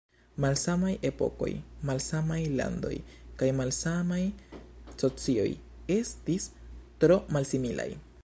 Malsamaj epokoj, malsamaj landoj kaj malsamaj socioj estis tro malsimilaj.